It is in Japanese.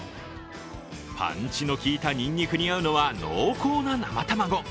パンチの効いたニンニクに合うのは濃厚な生卵。